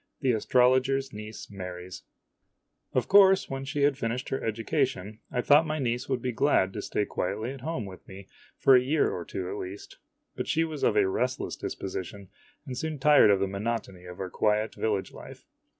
THE ASTROLOGER'S NIECE MARRIES OF course, when she had finished her education, I thought my niece would be glad to stay quietly at home with me for a year or two at least. But she was of a restless disposition, and soon tired of the monotony of our quiet village life.